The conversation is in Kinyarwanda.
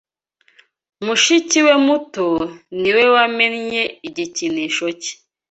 Mushiki we muto ni we wamennye igikinisho cye.